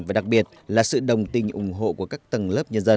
và đặc biệt là sự đồng tình ủng hộ của các tầng lớp nhân dân